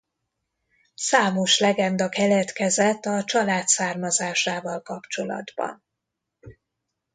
Számos legenda keletkezett a család származásával kapcsolatban.